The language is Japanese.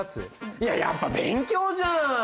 いややっぱ勉強じゃん！